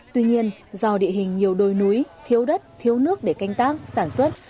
tuy nhiên do địa hình nhiều đồi núi thiếu đất thiếu nước để canh tác sản xuất